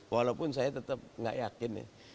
walaupun saya tetap tidak yakin